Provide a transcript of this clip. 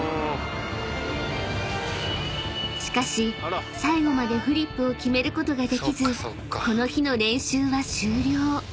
［しかし最後までフリップを決めることができずこの日の］